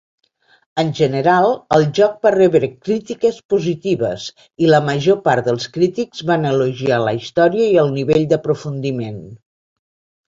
En general, el joc va rebre crítiques positives i la major part dels crítics van elogiar la història i el nivell d'aprofundiment.